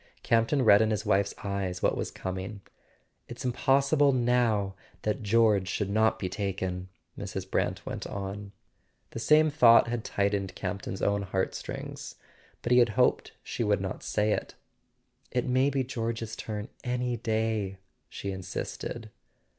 Campton read in his wife's eyes what was coming. "It's impossible now that George should not be taken," Mrs. Brant went on. [ 180] A SON AT THE FRONT The same thought had tightened Campton's own heart strings; but he had hoped she would not say it. "It may be George's turn any day," she insisted.